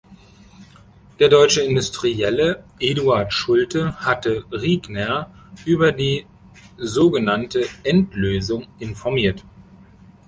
Der deutsche Industrielle Eduard Schulte hatte Riegner über die so genannte „Endlösung“ informiert.